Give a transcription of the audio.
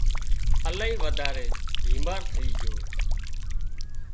الاهي وڌاري بيمار ٿئي جھو